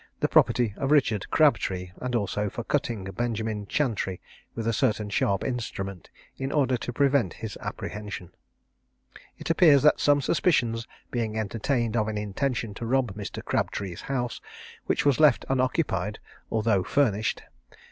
the property of Richard Crabtree, and also for cutting Benjamin Chantrey with a certain sharp instrument, in order to prevent his apprehension. It appears that some suspicions being entertained of an intention to rob Mr. Crabtree's house, which was left unoccupied, although furnished.